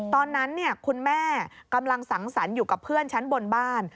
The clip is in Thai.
ตอนนั้นคุณแม่กำลังสังสรรค์อยู่กับเพื่อนชั้นบนบ้าน